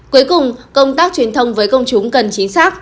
cuối cùng công tác truyền thông với công chúng cần chính xác